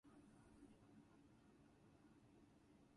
He was also a part of the fraternity Phi Kappa Tau at Ohio University.